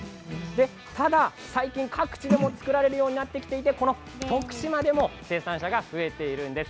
ただ最近、各地でも作られるようになってきていてこの徳島でも生産者が増えてきているんです。